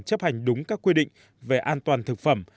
chấp hành đúng các quy định về an toàn thực phẩm